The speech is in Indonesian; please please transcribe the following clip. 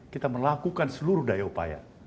kita melakukan seluruh daya upaya